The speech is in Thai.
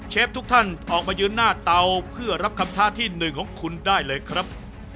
ทุกท่านออกมายืนหน้าเตาเพื่อรับคำท้าที่๑ของคุณได้เลยครับ